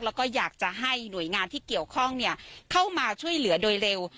แล้วก็อยากจะให้หน่วยงานที่เกี่ยวข้องเข้ามาช่วยเหลือโดยเร็ว